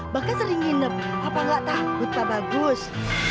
maka sering nginep apakah takut pak bagus